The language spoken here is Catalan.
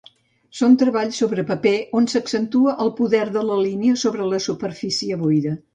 Són treballs sobre paper on s'accentua el poder de la línia sobre la superfície buida.